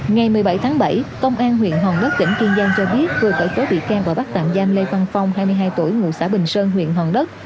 ngày một mươi bảy tháng bảy công an huyện hòn đất tỉnh kiên giang cho biết vừa khởi tố bị can và bắt tạm giam lê văn phong hai mươi hai tuổi ngụ xã bình sơn huyện hòn đất